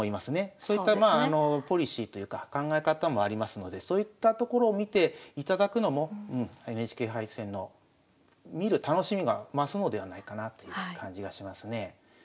そういったまあポリシーというか考え方もありますのでそういったところを見ていただくのもＮＨＫ杯戦の見る楽しみが増すのではないかなという感じがしますね。